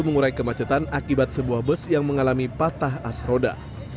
mengurai kemacetan akibat sebuah bus yang mengalami patah as roda